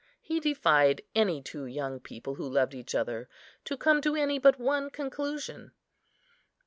He defied any two young people who loved each other, to come to any but one conclusion.